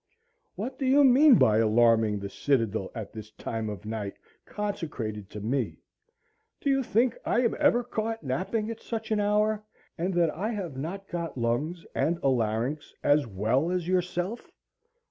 What do you mean by alarming the citadel at this time of night consecrated to me? Do you think I am ever caught napping at such an hour, and that I have not got lungs and a larynx as well as yourself?